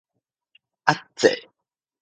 遏制